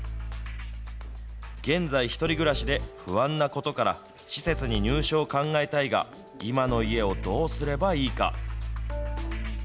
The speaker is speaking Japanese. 現在１人暮らしで不安なことから、施設に入所を考えたいが、今の家をどうすればいいか。